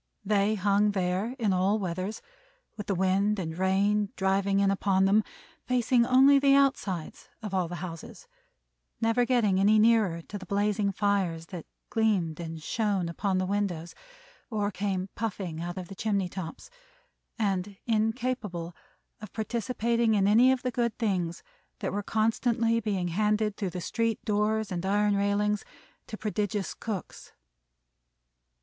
They hung there in all weathers, with the wind and rain driving in upon them; facing only the outsides of all the houses; never getting any nearer to the blazing fires that gleamed and shone upon the windows or came puffing out of the chimney tops; and incapable of participating in any of the good things that were constantly being handed through the street doors and iron railings to prodigious cooks.